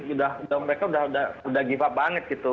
udah mereka udah udah udah give up banget gitu